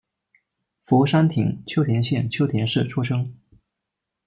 福山町秋田县秋田市出生。